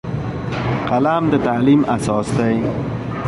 قلم د تعلیم اساس دی